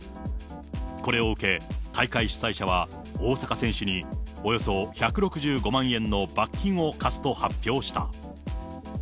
これを受け、大会主催者は大坂選手におよそ１６５万円の罰金を科すと発表した。